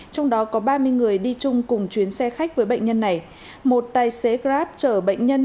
trong đó có ba mươi người đi chung cùng chuyến xe khách với bệnh nhân này một tài xế grab chở bệnh nhân